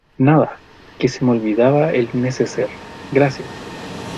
nada, que se me olvidaba el neceser. gracias .